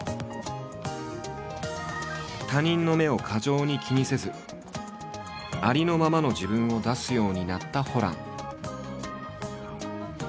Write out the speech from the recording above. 他人の目を過剰に気にせずありのままの自分を出すようになったホラン。